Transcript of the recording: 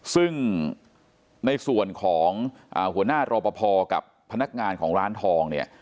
ซึ่งในส่วนของหัวหน้ารอปภกับพนักงานของร้านทองเนี่ย